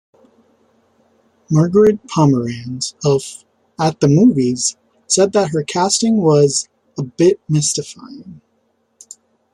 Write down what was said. Margaret Pomeranz of "At the Movies" said that her casting was "a bit mystifying".